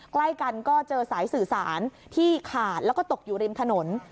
ใกล้กันก็เจอสายสื่อสารที่ขาดแล้วก็ตกอยู่ริมถนน